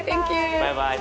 バイバイ。